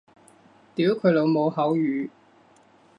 屌佢老母口語